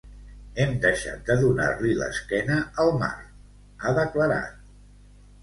“Hem deixat de donar-li l’esquena al mar”, ha declarat.